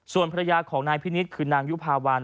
ส่วนภรรยาของนายพินิษฐ์คือนางยุภาวัน